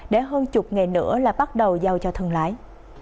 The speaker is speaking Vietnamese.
để hơn chục ngày nữa là bắt đầu giao cho thân lái